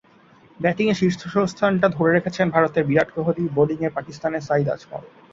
ব্যাটিংয়ে শীর্ষস্থানটা ধরে রেখেছেন ভারতের বিরাট কোহলি, বোলিংয়ে পাকিস্তানের সাঈদ আজমল।